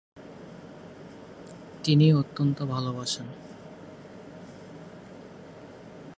তিনি অত্যন্ত ভালোবাসতেন।